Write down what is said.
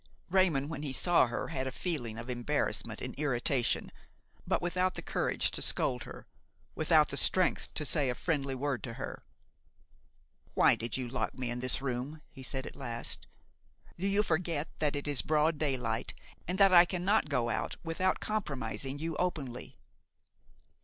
Raymon, when he saw her, had a feeling of embarrassment and irritation, but without the courage to scold her, without the strength to say a friendly word to her. "Why did you lock me in this room?" he said at last. "Do you forget that it is broad daylight and that I cannot go out without compromising you openly?"